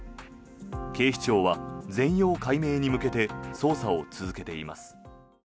警視庁は、全容解明に向けて捜査を続けています。